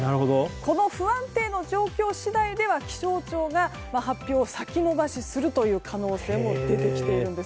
この不安定の状況次第では気象庁が発表を先延ばしする可能性も出てきているんです。